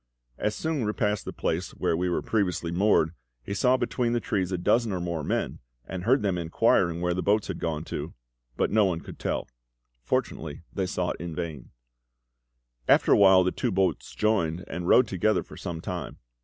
As Sung repassed the place where we were previously moored, he saw between the trees a dozen or more men, and heard them inquiring where the boats had gone to; but no one could tell. Fortunately they sought in vain. After a while the two boats joined, and rowed together for some time.